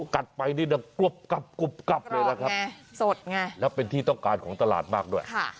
กัดไปกรอบเลยนะครับและเป็นที่ต้องการของตลาดมากด้วย